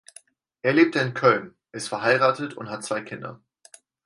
Er lebt in Köln, ist verheiratet und hat zwei Kinder.